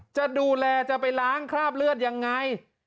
จะดูแลจะไปล้างคราบเลือดยังไง